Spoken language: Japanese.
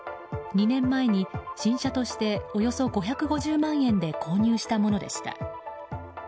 ２年前に新車としておよそ５５０万円で購入したものでした。